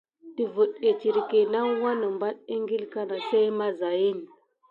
Dəfət etirke naw wanebate eŋgil kana sey mazayin.